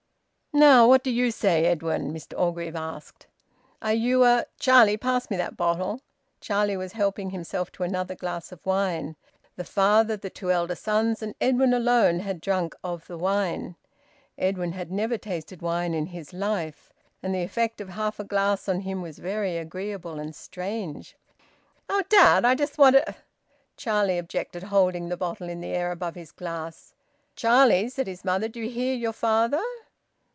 "Now what do you say, Edwin?" Mr Orgreave asked. "Are you a Charlie, pass me that bottle." Charlie was helping himself to another glass of wine. The father, the two elder sons, and Edwin alone had drunk of the wine. Edwin had never tasted wine in his life, and the effect of half a glass on him was very agreeable and strange. "Oh, dad! I just want a " Charlie objected, holding the bottle in the air above his glass. "Charlie," said his mother, "do you hear your father?"